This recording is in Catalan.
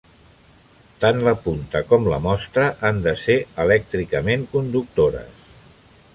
Tant la punta com la mostra han de ser elèctricament conductores.